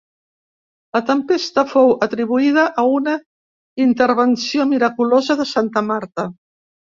La tempesta fou atribuïda a una intervenció miraculosa de santa Marta.